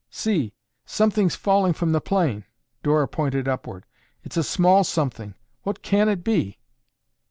"See! Something's falling from the plane." Dora pointed upward. "It's a small something! What can it be?"